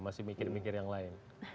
masih mikir mikir yang lain